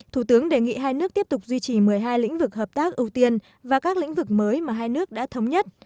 thủ tướng đề nghị hai nước tiếp tục duy trì một mươi hai lĩnh vực hợp tác ưu tiên và các lĩnh vực mới mà hai nước đã thống nhất